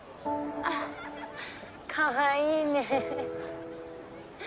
あっかわいいね。